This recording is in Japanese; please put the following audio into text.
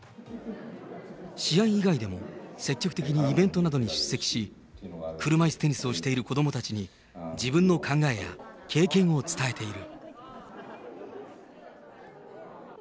試合以外でも、積極的にイベントなどに出席し、車いすテニスをしている子どもたちに、自分の考えや経験を伝えている。